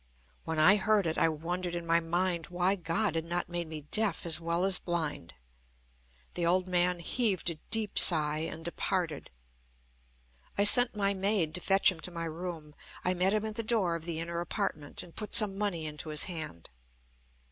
When I heard it, I wondered in my mind why God had not made me deaf as well as blind. The old man heaved a deep sigh, and departed. I sent my maid to fetch him to my room. I met him at the door of the inner apartment, and put some money into his hand.